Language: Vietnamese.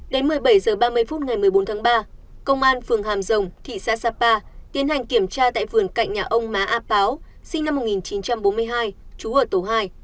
đến một mươi bảy h ba mươi phút ngày một mươi bốn tháng ba công an phường hàm rồng thị xã sapa tiến hành kiểm tra tại vườn cạnh nhà ông má a páo sinh năm một nghìn chín trăm bốn mươi hai trú ở tổ hai